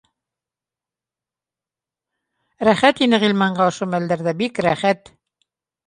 Рәхәт ине Ғилманға ошо мәлдәрҙә, бик рәхәт